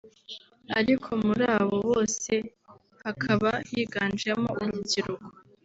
ariko muri abo bose hakaba higanjemo urubyiruko